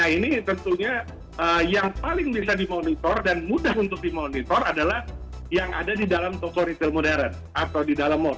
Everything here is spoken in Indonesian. nah ini tentunya yang paling bisa dimonitor dan mudah untuk dimonitor adalah yang ada di dalam toko retail modern atau di dalam mall